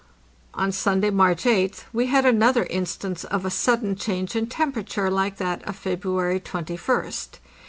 On Sunday, March 8th, we had another instance of a sudden change in temperature like that of February 21st.